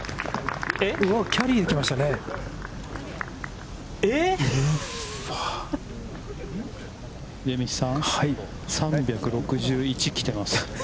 キャリーで来ましたね。